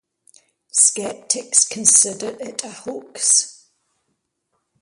Skeptics consider it a hoax.